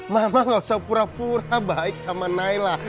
mama gak usah pura pura baik sama naila